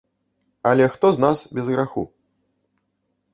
Але хто з нас без граху?